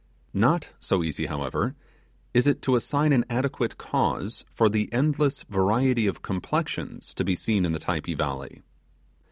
Not so easy, however, is it to assign an adequate cause for the endless variety of complexions to be seen in the Typee Valley.